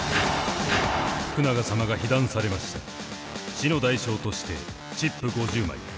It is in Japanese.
死の代償としてチップ５０枚。